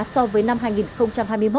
so với năm hai nghìn hai mươi hai